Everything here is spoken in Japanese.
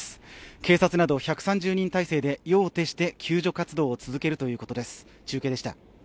警察など１３０人態勢で夜を徹して救助活動を続けるということです。